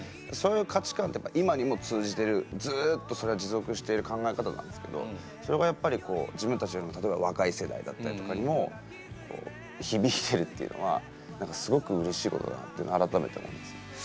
そういう価値観って今にも通じてるずっとそれは持続している考え方なんですけどそれがやっぱりこう自分たちよりも例えば若い世代だったりとかにも響いてるっていうのはすごくうれしいことだなって改めて思いますね。